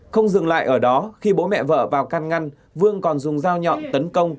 không dừng lại ở đó khi bố mẹ vợ vào can ngăn vương còn dùng dao nhọn tấn công